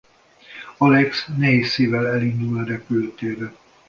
Alex nehéz szívvel elindul a repülőtérre.